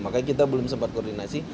makanya kita belum sempat koordinasi